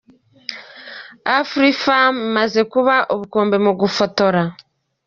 Afrifame imaze kuba ubukombe mu gufotora.